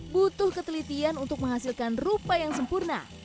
butuh ketelitian untuk menghasilkan rupa yang sempurna